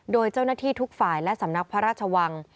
โดยเจ้าหน้าที่ทุกฝ่ายและสำนักพระราชวัง